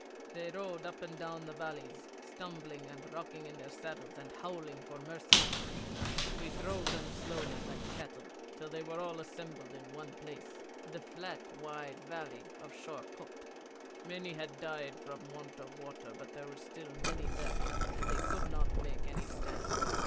They rode up and down the valleys, stumbling and rocking in their saddles, and howling for mercy. We drove them slowly like cattle till they were all assembled in one place, the flat wide valley of Sheor Kôt. Many had died from want of water, but there still were many left, and they could not make any stand.